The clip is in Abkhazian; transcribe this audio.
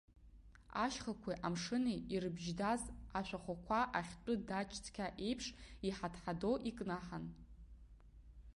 Ашьхақәеи амшыни ирыбжьдаз ашәахәақәа, ахьтәы даҷ цҳа еиԥш иҳадҳадо икнаҳан.